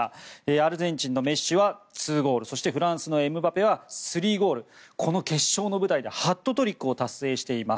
アルゼンチンのメッシは２ゴールそしてフランスのエムバペは３ゴールこの決勝の舞台でハットトリックを達成しています。